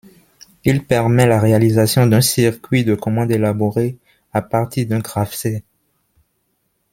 Il permet la réalisation d'un circuit de commande élaboré à partir d'un grafcet.